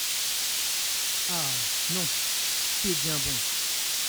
Ah ! non ! tu es bien bon !…